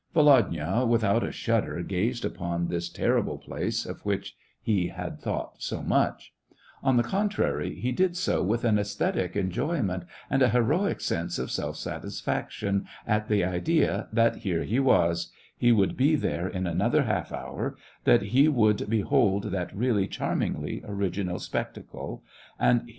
Volodya, without a shudder, gazed upon this ter rible place of which he had thought so much ; on the contrary, he did so with an aesthetic enjoy ment, and a heroic sense of self satisfaction at the idea that here he was — he would be there in another half hour, that he would behold that really charmingly original spectacle — and he 158 SEVASTOPOL IN AUGUST.